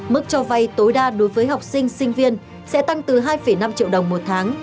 mức cho vay tối đa đối với học sinh sinh viên sẽ tăng từ hai năm triệu đồng một tháng